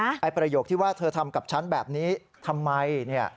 ประโยคที่ว่าเธอทำกับฉันแบบนี้ทำไมเนี่ย